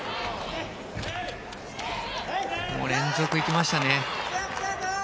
連続いきましたね。